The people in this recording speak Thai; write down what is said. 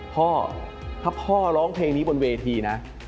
พ่อถ้าพ่อร้องเพลงนี้บนเวทีนะ